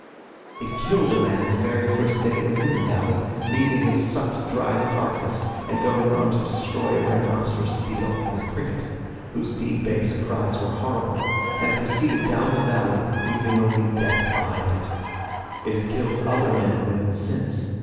It killed a man the very first day it was in the valley, leaving his sucked dry carcass, and going on to destroy a rhinoceros beetle and a cricket whose deep bass cries were horrible and proceeded down the valley, leaving only death behind it. It had killed other men and women since.